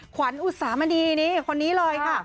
ขวัญอุตสามณีคนนี้เลยค่ะ